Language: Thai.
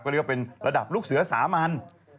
เรียกว่าเป็นระดับลูกเสือสามัญ